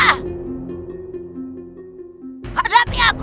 hai hadapi aku